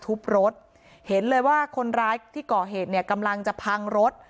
ทุบรถเห็นเลยว่าคนร้ายที่ก่อเหตุเนี่ยกำลังจะพังรถ